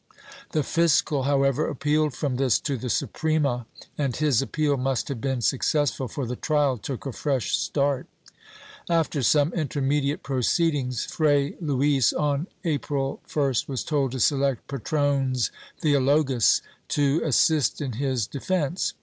The fiscal, however, appealed from this to the Suprema and his appeal must have been successful, for the trial took a fresh start.^ After some intermediate proceedings. Fray Luis, on April 1st was told to select patrones theologos to assist in his defence.